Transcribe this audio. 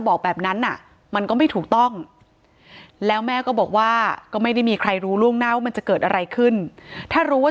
บอกแบบนั้นน่ะมันก็ไม่ถูกต้องแล้วแม่ก็บอกว่าก็ไม่ได้มีใครรู้ล่วงหน้าว่ามันจะเกิดอะไรขึ้นถ้ารู้ว่า